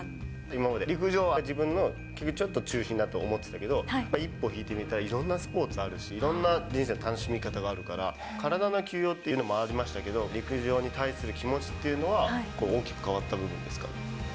今まで陸上が自分のちょっと中心だと思ってたけど、一歩引いてみたら、いろんなスポーツあるし、いろんな人生楽しみ方があるから、体の休養っていうのもありましたけど、陸上に対する気持ちっていうのは、大きく変わった部分ですかね。